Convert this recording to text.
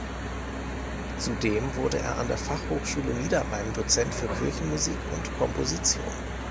Zudem wurde er an der Fachhochschule Niederrhein Dozent für Kirchenmusik und Komposition.